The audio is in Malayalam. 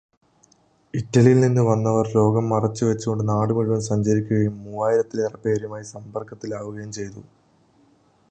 ഇറ്റലിയിൽ നിന്നു വന്നവർ രോഗം മറച്ചു വെച്ചു കൊണ്ട് നാട് മുഴുവൻ സഞ്ചരിക്കുകയും മൂവായിരത്തിലേറെപ്പേരുമായി സമ്പർക്കത്തിലാവുകയും ചെയ്തു.